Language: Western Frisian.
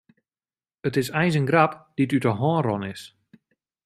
It is eins in grap dy't út de hân rûn is.